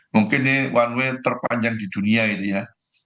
mungkin ini one way terpanjang di dunia ini ya